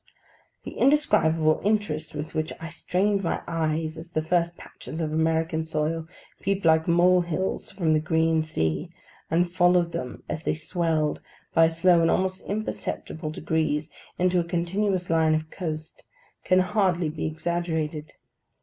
The indescribable interest with which I strained my eyes, as the first patches of American soil peeped like molehills from the green sea, and followed them, as they swelled, by slow and almost imperceptible degrees, into a continuous line of coast, can hardly be exaggerated.